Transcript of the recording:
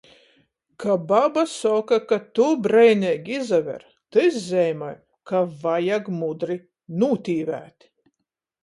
Ka baba soka, ka tu breineigi izaver, tys zeimoj, ka vajag mudri nūtīvēt.